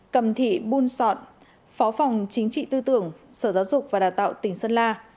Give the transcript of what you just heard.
cầm thị buôn sọn phó phòng chính trị tư tưởng sở giáo dục và đào tạo tỉnh sơn la